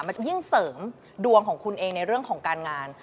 จะยิ่งเสริมดวงของคุณเองในเรื่องของการงาน